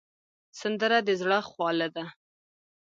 سندره د زړه خواله ده